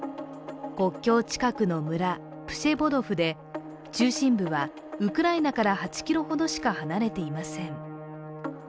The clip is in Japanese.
国境近くの村、プシェボドフで中心部はウクライナから８ｋｍほどしか離れていません。